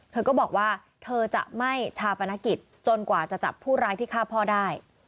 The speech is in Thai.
เธอก็บอกว่าเธอจะไม่ชาปนกิจจนกว่าจะจับผู้ร้ายที่ฆ่าพ่อได้